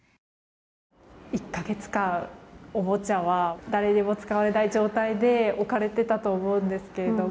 １か月間、おもちゃは誰にも使われない状態で置かれていたと思うんですけれども。